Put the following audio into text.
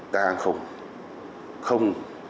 cục hàng không